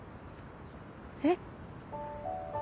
えっ？